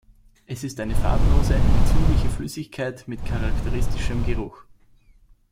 Es ist eine farblose, entzündliche Flüssigkeit mit charakteristischem Geruch.